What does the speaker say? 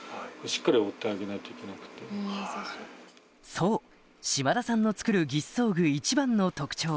そう島田さんの作る義肢装具一番の特長